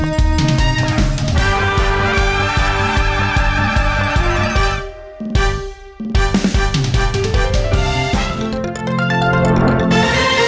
โปรดติดตามตอนต่อไป